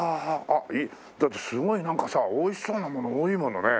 あっいいだってすごいなんかさおいしそうなもの多いものね。